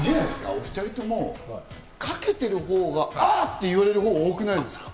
お２人ともかけてるほうがあ！って言われることが多くないですか？